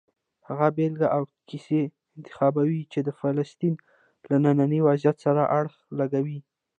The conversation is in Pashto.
هغه بېلګې او کیسې انتخابوي چې د فلسطین له ننني وضعیت سره اړخ لګوي.